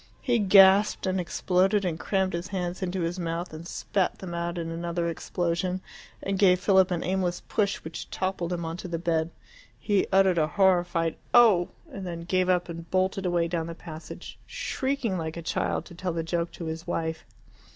He gasped and exploded and crammed his hands into his mouth and spat them out in another explosion, and gave Philip an aimless push, which toppled him on to the bed. He uttered a horrified Oh! and then gave up, and bolted away down the passage, shrieking like a child, to tell the joke to his wife.